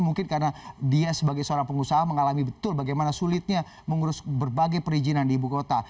mungkin karena dia sebagai seorang pengusaha mengalami betul bagaimana sulitnya mengurus berbagai perizinan di ibu kota